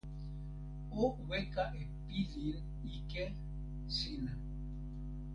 o weka e pilin ike sina.